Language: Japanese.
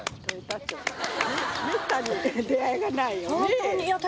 めったに出会いがないよね。